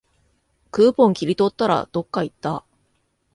クーポン切り取ったら、どっかいった